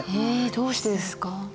どうしてですか？